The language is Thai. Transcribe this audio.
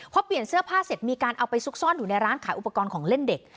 พอเปลี่ยนเสื้อผ้าเสร็จมีการเอาไปซุกซ่อนอยู่ในร้านขายอุปกรณ์ของเล่นเด็ก